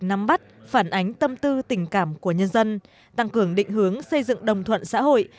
nắm bắt phản ánh tâm tư tình cảm của nhân dân tăng cường định hướng xây dựng đồng thuận xã hội